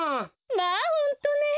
まあホントね。